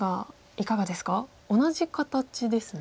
同じ形ですね。